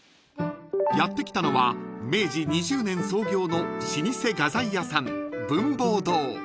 ［やって来たのは明治２０年創業の老舗画材屋さん］